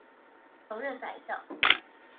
曾任宰相。